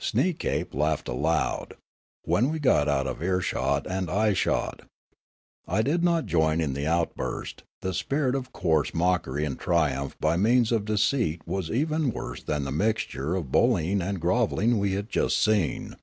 Sneekape laughed loud, when we had got out of ear shot and eyeshot. I did not join in the outburst ; the spirit of coarse mockery and triumph by means of de ceit was even worse than the mixture of bullying and grovelling we had just seen.